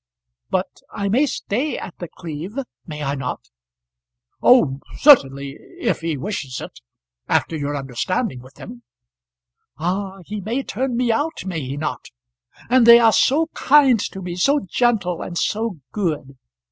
But I may stay at The Cleeve; may I not?" "Oh, certainly if he wishes it, after your understanding with him." "Ah; he may turn me out, may he not? And they are so kind to me, so gentle and so good.